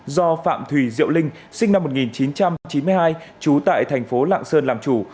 do phạm thùy diệu linh sinh năm một nghìn chín trăm chín mươi hai trú tại thành phố lạng sơn làm chủ